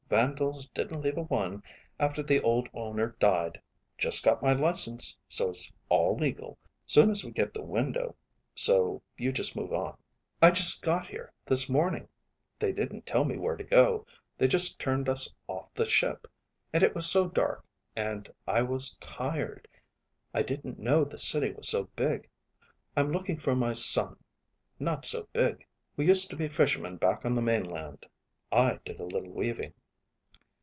Vandals didn't leave a one, after the old owner died. Just got my license, so it's all legal. Soon as we get the window, so you just move on." "I just got here, this morning.... They didn't tell us where to go, they just turned us off the ship. And it was so dark, and I was tired.... I didn't know the City was so big. I'm looking for my son not so big! We used to be fishermen back on the mainland. I did a little weaving."